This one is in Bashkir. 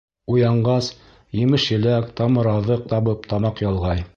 Уянғас, емеш-еләк, тамыраҙыҡ табып тамаҡ ялғай.